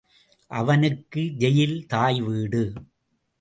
அவனுக்க jail தாய் வீடு.